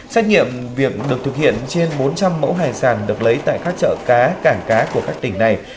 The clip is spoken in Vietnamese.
xét nghiệm việc được thực hiện trên bốn trăm linh mẫu hải sản được lấy tại các chợ cá cảng cá của các tỉnh này